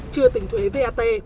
chưa tính thuế vat